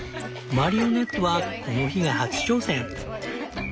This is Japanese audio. マリオネットはこの日が初挑戦。